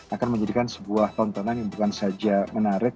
akan menjadikan sebuah tontonan yang bukan saja menarik